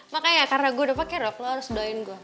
makanya karena gue udah pakai rock lu harus doain gue